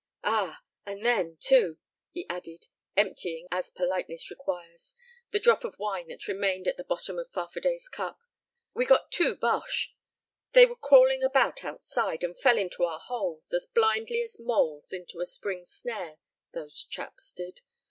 "Ah! And then, too," he added, emptying as politeness requires the drop of wine that remained at the bottom of Farfadet's cup, "we got two Boches. They were crawling about outside, and fell into our holes, as blindly as moles into a spring snare, those chaps did.